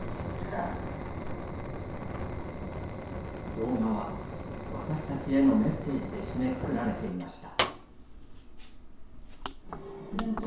動画は私たちへのメッセージで締めくくられていました。